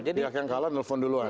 pihak yang kalah nelfon duluan